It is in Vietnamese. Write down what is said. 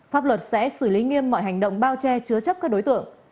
pháp luật sẽ xử lý nghiêm mọi hành động bao che chứa chấp các đối tượng